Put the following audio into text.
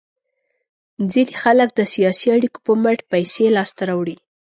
ځینې خلک د سیاسي اړیکو په مټ پیسې لاس ته راوړي.